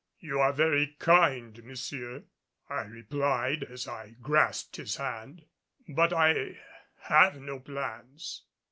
"You are very kind, monsieur," I replied as I grasped his hand, "but I have no plans.